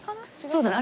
そうだね。